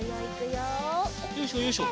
よいしょよいしょ。